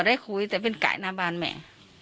ได้คุยแต่เป็นไก่หน้าบ้านแม่